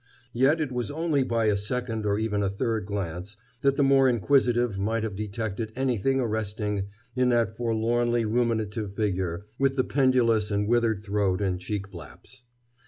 Yet it was only by a second or even a third glance that the more inquisitive might have detected anything arresting in that forlornly ruminative figure with the pendulous and withered throat and cheek flaps.